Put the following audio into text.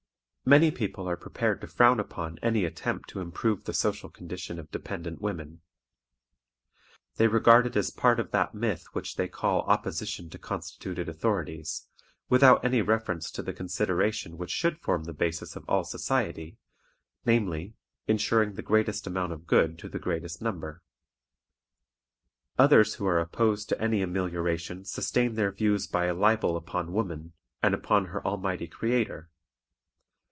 Many people are prepared to frown upon any attempt to improve the social condition of dependent women. They regard it as a part of that myth which they call opposition to constituted authorities, without any reference to the consideration which should form the basis of all society, namely, ensuring the greatest amount of good to the greatest number. Others who are opposed to any amelioration sustain their views by a libel upon woman, and upon her Almighty Creator.